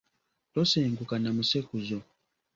Tosenguka na musekuzo.